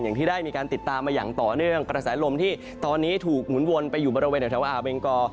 อย่างที่ได้มีการติดตามมาอย่างต่อเนื่องกระแสลมที่ตอนนี้ถูกหมุนวนไปอยู่บริเวณแถวอาเบงกอ